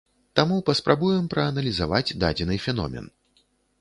Таму паспрабуем прааналізаваць дадзены феномен.